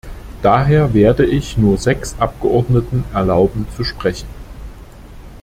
Daher werde ich nur sechs Abgeordneten erlauben zu sprechen.